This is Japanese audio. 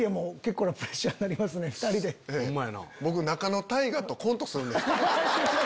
僕仲野太賀とコントするんですか。